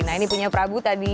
nah ini punya prabu tadi